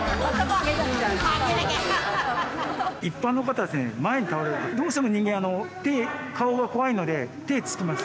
一般の方はですね前に倒れるときどうしても人間顔が怖いので手つきます。